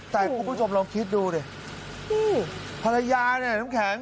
แต่คุณหนูคิดดูดิภรรยาหน่อยมีแผล